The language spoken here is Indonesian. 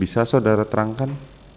bisa saudara terangkan